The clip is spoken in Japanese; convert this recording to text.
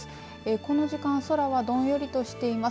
この時間空はどんよりとしています。